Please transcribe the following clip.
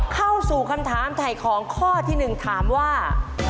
เข้าสู่คำถามถ่ายของข้อที่๑ถามว่า